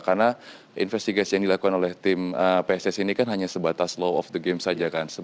karena investigasi yang dilakukan oleh tim pssi ini kan hanya sebatas law of the game saja kan